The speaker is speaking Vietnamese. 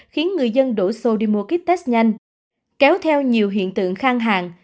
khiến người dân đổ xô đi mua kit test nhanh kéo theo nhiều hiện tượng khang hàng